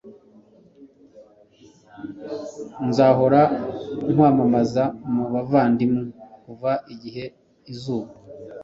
nzahora nkwamamaza mu bavandimwe; kuva igihe izuba